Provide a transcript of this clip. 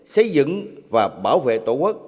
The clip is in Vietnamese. xây dựng và bảo vệ tổ quốc